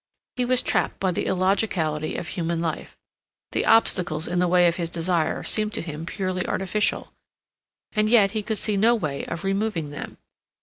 He was trapped by the illogicality of human life. The obstacles in the way of his desire seemed to him purely artificial, and yet he could see no way of removing them.